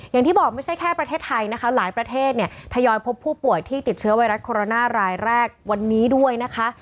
อย่างที่บอกไม่ใช่แค่ประเทศไทยนะคะหลายประเทศเนี่ยทยอยพบผู้ป่วยที่ติดเชื้อไวรัสโคโรนารายแรกวันนี้ด้วยนะคะ